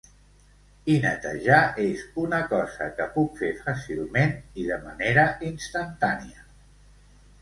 I netejar és una cosa que puc fer fàcilment i de manera instantània.